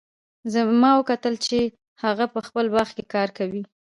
ما وکتل چې هغه په خپل باغ کې کار کوي